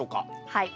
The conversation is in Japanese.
はい。